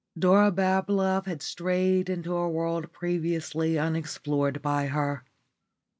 Dora Bablove had strayed into a world previously unexplored by her.